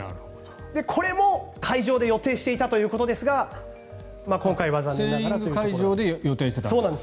これも会場で予定していたということですが今回は残念ながらということです。